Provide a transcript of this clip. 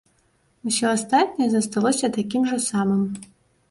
Усё астатняе засталося такім жа самым.